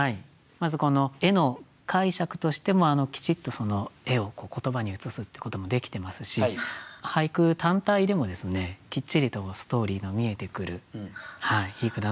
まずこの絵の解釈としてもきちっと絵を言葉にうつすってこともできてますし俳句単体でもきっちりとストーリーの見えてくるいい句だなと思います。